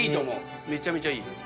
めちゃめちゃいい。